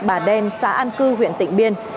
ở đen xã an cư huyện tịnh biên